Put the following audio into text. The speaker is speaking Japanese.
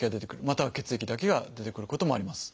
または血液だけが出てくることもあります。